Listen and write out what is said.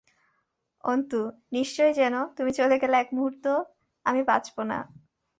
অন্তু, নিশ্চয় জেনো, তুমি চলে গেলে একমুহূর্ত আমি বাঁচব না।